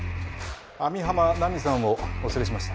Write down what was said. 網浜奈美さんをお連れしました。